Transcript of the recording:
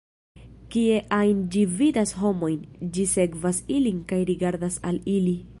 Kie ajn ĝi vidas homojn, ĝi sekvas ilin kaj rigardas al ili.